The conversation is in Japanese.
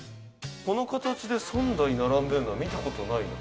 「この形で３台並んでるのは見た事ないな」